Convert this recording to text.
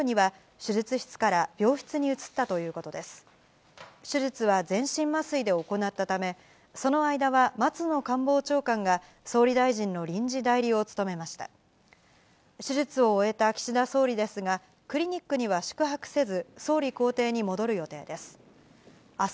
手術を終えた岸田総理ですが、クリニックには宿泊せず、総理公邸に戻る予定です。